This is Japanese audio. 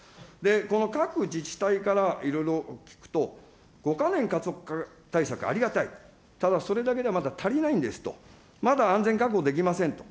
この各自治体からいろいろ聞くと、５か年加速化対策、ありがたい、ただそれだけじゃまだ足りないんですと、まだ安全確保できませんと。